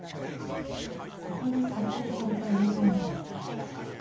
ここで撮影された映像が見つかりました。